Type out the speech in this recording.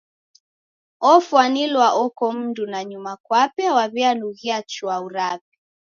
Ofwanilwa oko mndu nanyuma kwape waw'ianughia chwau rape.